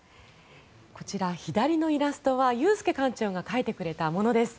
こちら、左のイラストは裕介館長が描いてくれたものです。